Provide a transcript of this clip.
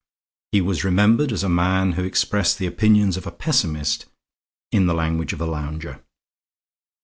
He was remembered as a man who expressed the opinions of a pessimist in the language of a lounger.